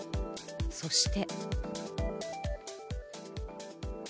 そして。